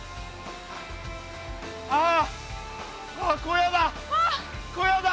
あああ小屋だ！